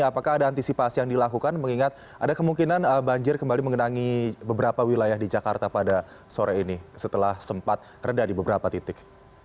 apakah ada antisipasi yang dilakukan mengingat ada kemungkinan banjir kembali mengenangi beberapa wilayah di jakarta pada sore ini setelah sempat reda di beberapa titik